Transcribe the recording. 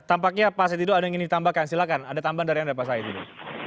oke tampaknya pak saidido ada yang ingin ditambahkan silahkan ada tambahan dari anda pak saidido